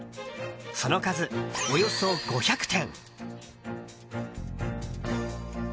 その数、およそ５００点。